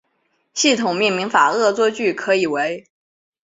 系统命名法恶作剧可以为